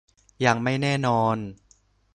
ยังไม่แน่นอน